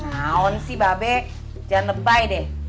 nah ong sih babe jangan lebay deh